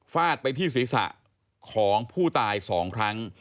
ฟาดไปที่ศีรษะของผู้ตาย๒ครั้ง